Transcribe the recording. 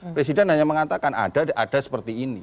presiden hanya mengatakan ada ada seperti ini